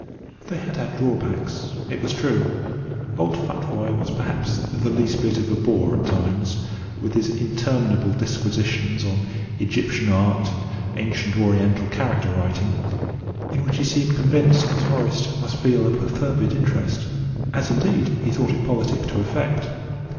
They had had drawbacks, it was true. Old Futvoye was perhaps the least bit of a bore at times, with his interminable disquisitions on Egyptian art and ancient Oriental character writing, in which he seemed convinced that Horace must feel a perfervid interest, as, indeed, he thought it politic to affect.